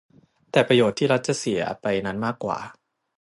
แต่ประโยชน์ที่รัฐจะเสียไปนั้นมากกว่า